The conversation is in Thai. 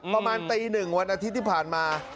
ประมาณตี๑วันอาทิตย์ที่ผ่านมา